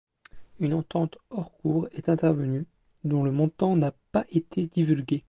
Une entente hors cour est intervenue, dont le montant n'a pas été divulgué.